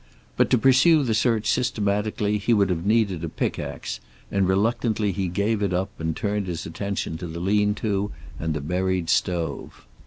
But to pursue the search systematically he would have needed a pickaxe, and reluctantly he gave it up and turned his attention to the lean to and the buried stove.